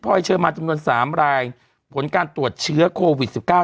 พรยเชิร์มานจำนวนสามลายผลการตรวจเชื้อโควิดสิบเก้า